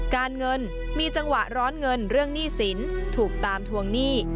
การเงินมีจังหวะร้อนเงินเรื่องหนี้สินถูกตามทวงหนี้